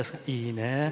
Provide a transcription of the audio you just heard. いいね。